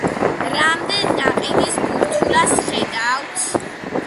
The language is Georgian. რამდენ ნაყინის ბურთულას ხედავთ?